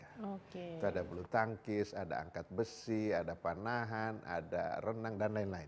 itu ada bulu tangkis ada angkat besi ada panahan ada renang dan lain lain